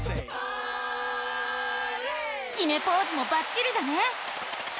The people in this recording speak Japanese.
きめポーズもバッチリだね！